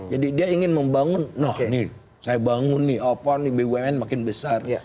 jadi dia ingin membangun nah ini saya bangun nih bumn makin besar